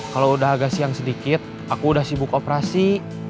kalau udah agak siang sedikit aku udah sibuk operasi